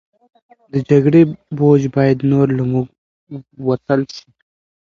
د جګړې بوج باید نور له موږ وتل شي.